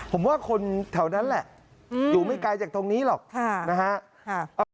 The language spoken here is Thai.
ผมว่าคนแถวนั้นแหละอยู่ไม่ไกลจากตรงนี้หรอกนะฮะ